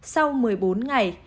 sau một mươi bốn ngày